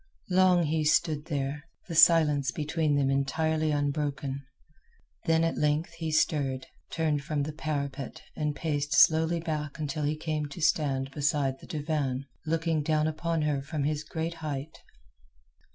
Long he stood there, the silence between them entirely unbroken. Then at length he stirred, turned from the parapet, and paced slowly back until he came to stand beside the divan, looking down upon her from his great height.